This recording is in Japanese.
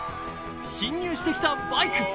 進入してきたバイク